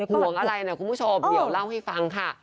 ห่วงอะไรนะคุณผู้ชมเดี๋ยวเล่าให้ฟังค่ะ